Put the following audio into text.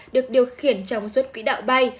được điều khiển trong suốt quỹ đạo bay